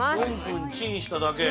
４分チンしただけ？